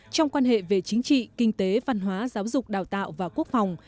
trong quan hệ về chính trị kinh tế văn hóa giáo dục đào tạo và quốc phòng